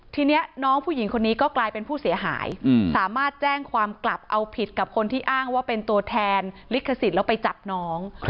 ทีนี้น้องผู้หญิงคนนี้ก็กลายเป็นผู้เสียหายสามารถแจ้งความกลับเอาผิดกับคนที่อ้างว่าเป็นตัวแทนลิขสิทธิ์แล้วไปจับน้อง